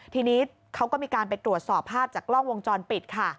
ทีนี้เขาก็มีการไปตรวจสอบภาพจากกล้องวงจรปิดค่ะ